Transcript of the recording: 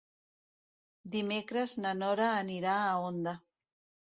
Dimecres na Nora anirà a Onda.